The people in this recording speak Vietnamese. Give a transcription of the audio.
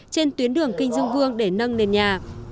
trên tuyến đường kinh dương vương để nâng nền nhà